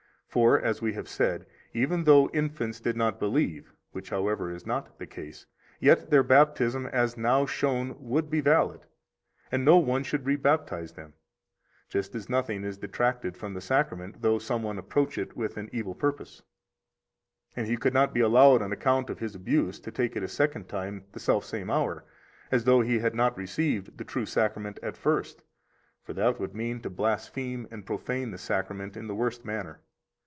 For (as we have said) even though infants did not believe, which, however, is not the case, yet their baptism as now shown would be valid, and no one should rebaptize them; just as nothing is detracted from the Sacrament though some one approach it with evil purpose, and he could not be allowed on account of his abuse to take it a second time the selfsame hour, as though he had not received the true Sacrament at first; for that would mean to blaspheme and profane the Sacrament in the worst manner.